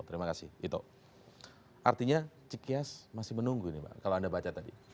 terima kasih itu artinya cik kias masih menunggu nih kalau anda baca tadi